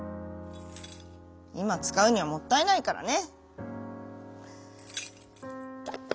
「いまつかうにはもったいないからね」。